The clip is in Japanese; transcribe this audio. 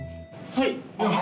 はい。